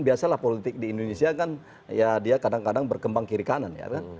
biasalah politik di indonesia kan ya dia kadang kadang berkembang kiri kanan ya kan